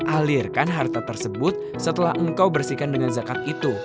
alirkan harta tersebut setelah engkau bersihkan dengan zakat itu